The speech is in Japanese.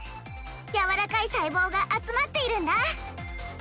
やわらかいさいぼうがあつまっているんだ。